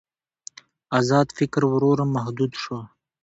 ازاد فکر ورو ورو محدود شو.